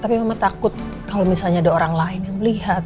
tapi memang takut kalau misalnya ada orang lain yang melihat